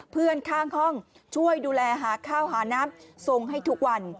เพื่อนข้างห้องช่วยดูแลหาข้าวหาน้ำทรงให้ทุกวัน